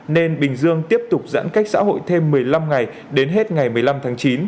nên bình dương tiếp tục giãn cách xã hội thêm một mươi năm ngày đến hết ngày một mươi năm tháng chín